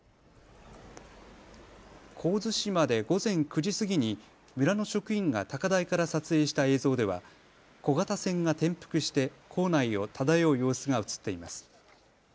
神津島で午前９時過ぎに村の職員が高台から撮影した映像では小型船が転覆して港内を漂う様子が写っています。